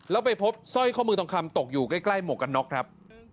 แล้วไปพบสร้อยข้อมือทองคำตกอยู่ใกล้หมวกกันน็อกครับ